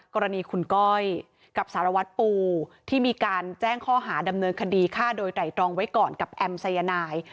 กรณีคุณก้อยกับสารวัตรปูที่มีการแจ้งข้อหาดำเนินคดีฆ่าโดยไตรตรองไว้ก่อนกับแอมสายนาย